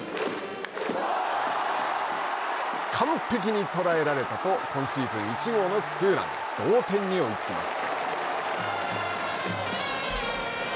完璧に捉えられたと、今シーズン１号のツーラン同点に追いつきます。